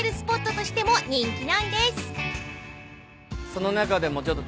その中でもちょっと。